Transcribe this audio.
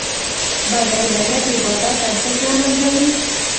بدرنګه نیت د عبادت ارزښت له منځه وړي